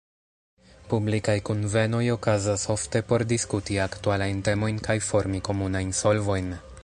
Publikaj kunvenoj okazas ofte por diskuti aktualajn temojn kaj formi komunajn solvojn.